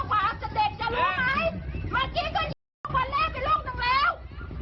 มันไม่ใช่คือตัว